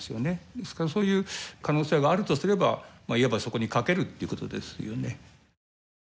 ですからそういう可能性があるとすればいわばそこに賭けるっていうことですよね。